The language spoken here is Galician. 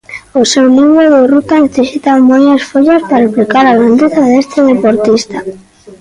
O seu libro de ruta necesita máis follas para explicar a grandeza deste deportista.